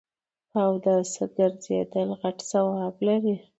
په اوداسه ګرځیدل غټ ثواب لري